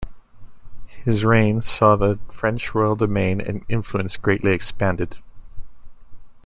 His reign saw the French royal domain and influence greatly expanded.